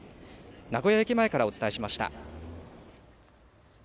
名古屋駅前からお伝えしました。